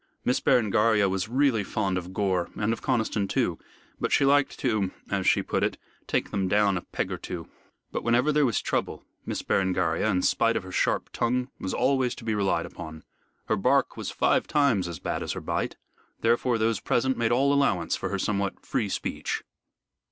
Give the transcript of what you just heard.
Miss Berengaria was really fond of Gore and of Conniston also, but she liked to as she put it take them down a peg or two. But whenever there was trouble, Miss Berengaria, in spite of her sharp tongue, was always to be relied upon. Her bark was five times as bad as her bite, therefore those present made all allowance for her somewhat free speech.